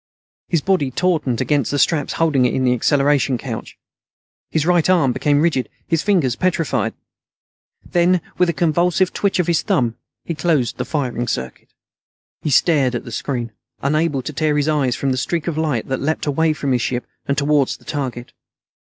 His body tautened against the straps holding it in the acceleration couch. His right arm became rigid; his fingers petrified. Then, with a convulsive twitch of his thumb, he closed the firing circuit. He stared at the screen, unable to tear his eyes from the streak of light that leaped away from his ship and toward the target.